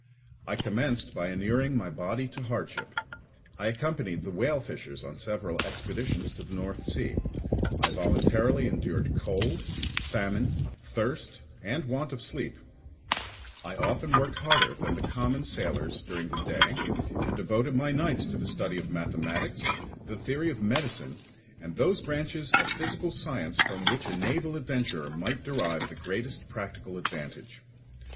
I commenced by inuring my body to hardship. I accompanied the whale fishers on several expeditions to the North Sea; I voluntarily endured cold, famine, thirst, and want of sleep; I often worked harder than the common sailors during the day and devoted my nights to the study of mathematics, the theory of medicine, and those branches of physical science from which a naval adventurer might derive the greatest practical advantage.